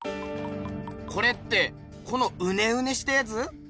これってこのウネウネしたやつ？